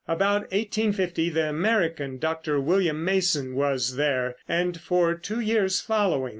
About 1850 the American, Dr. William Mason, was there, and for two years following.